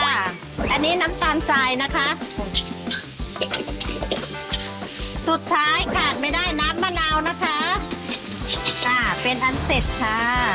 อันนี้น้ำตาลทรายนะคะสุดท้ายขาดไม่ได้น้ำมะนาวนะคะค่ะเป็นอันเสร็จค่ะ